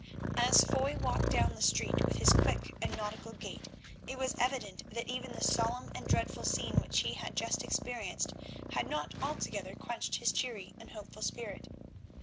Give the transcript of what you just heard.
As Foy walked down the street with his quick and nautical gait, it was evident that even the solemn and dreadful scene which he had just experienced had not altogether quenched his cheery and hopeful spirit.